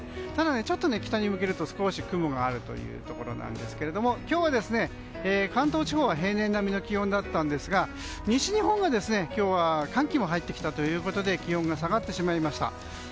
ただちょっと北に向けると雲があるというところですが今日は、関東地方は平年並みの気温だったんですが西日本が今日は寒気も入ってきたということで気温が下がってしまいました。